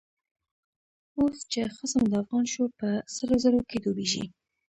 اوس چه خصم دافغان شو، په سرو زرو کی ډوبیږی